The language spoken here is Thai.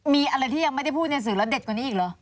มีอะไรที่ยังไม่ได้พูดในสื่อแล้วเด็ดกว่านี้อีกเหรอ